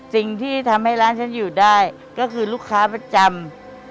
สิ่งที่ทำให้ร้านฉันอยู่ได้ก็คือลูกค้าประจำ